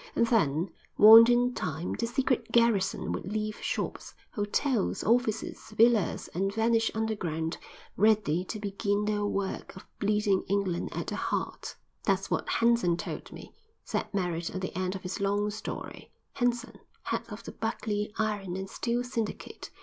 And then, warned in time, the secret garrison would leave shops, hotels, offices, villas, and vanish underground, ready to begin their work of bleeding England at the heart. "That's what Henson told me," said Merritt at the end of his long story. "Henson, head of the Buckley Iron and Steel Syndicate.